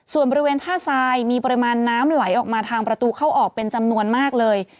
ส่วนบริเวณท่าทรายมีปริมาณน้ำไหลออกมาทางประตูเข้าออกเป็นจำนวนมากเลย